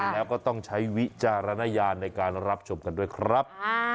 แล้วก็ต้องใช้วิจารณญาณในการรับชมกันด้วยครับ